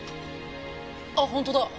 あっ本当だ！